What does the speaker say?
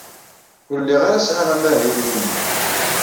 Ur lliɣ ara sɛiɣ amahil ilindi.